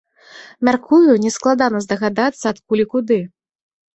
Мяркую, нескладана здагадацца, адкуль і куды.